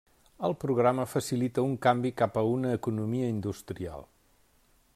El programa facilità un canvi cap a una economia industrial.